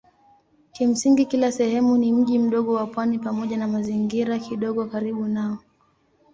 Kimsingi kila sehemu ni mji mdogo wa pwani pamoja na mazingira kidogo karibu nao.